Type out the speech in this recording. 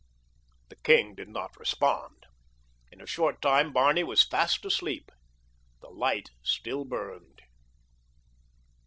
The king did not respond. In a short time Barney was fast asleep. The light still burned.